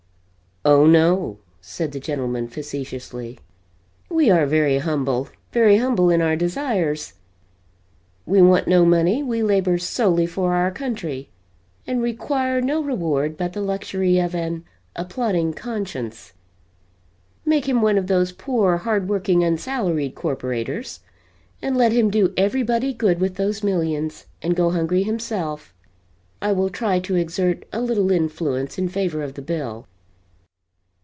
"Oh, no," said the gentleman, facetiously, "we are very humble, very humble in our desires; we want no money; we labor solely, for our country and require no reward but the luxury of an applauding conscience. Make him one of those poor hard working unsalaried corporators and let him do every body good with those millions and go hungry himself! I will try to exert a little influence in favor of the bill."